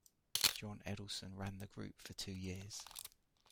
John Edelson ran the group for two years.